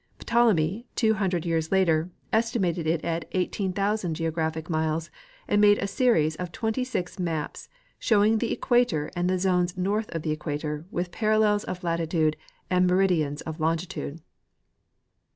Ptolemy, two hundred years later, estimated it at 18,000 geo graphic miles, and made a series of twenty six maps, showiiig the the equator and the zones north of the equator, with parallels of latitude and meridians of longitude.